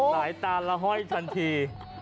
หลายตาลละห้อยทันที